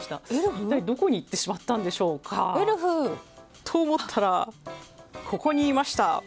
一体どこに行ってしまったんでしょうか。と思ったら、ここにいました。